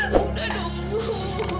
ya udah nunggu